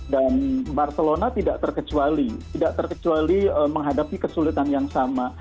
dan barcelona tidak terkecuali menghadapi kesulitan yang sama